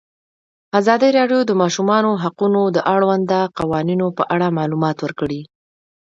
ازادي راډیو د د ماشومانو حقونه د اړونده قوانینو په اړه معلومات ورکړي.